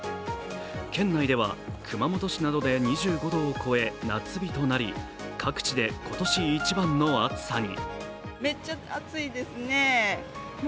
県内では熊本市などで２５度を超え夏日となり、各地で今年一番の暑さに。